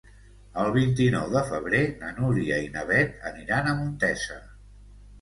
El vint-i-nou de febrer na Núria i na Beth aniran a Montesa.